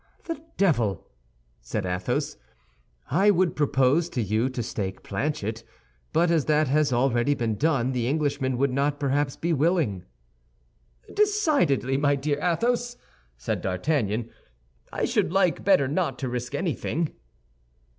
"The devil!" said Athos. "I would propose to you to stake Planchet, but as that has already been done, the Englishman would not, perhaps, be willing." "Decidedly, my dear Athos," said D'Artagnan, "I should like better not to risk anything."